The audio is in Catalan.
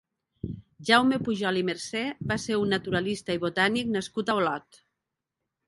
Jaume Pujol i Mercè va ser un naturalista i botànic nascut a Olot.